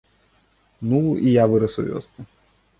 Ну, і я вырас у вёсцы.